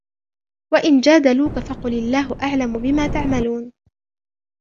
وَإِنْ جَادَلُوكَ فَقُلِ اللَّهُ أَعْلَمُ بِمَا تَعْمَلُونَ